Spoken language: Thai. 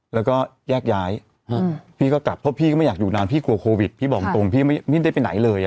แล้วก็แยกย้ายพี่ก็กลับเพราะพี่ก็ไม่อยากอยู่นานพี่กลัวโควิดพี่บอกตรงพี่ไม่ได้ไปไหนเลย